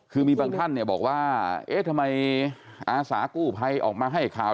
คือมีบางท่านเนี่ยบอกว่าเอ๊ะทำไมอาสากู้ภัยออกมาให้ข่าว